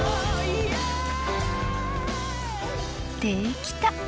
できた！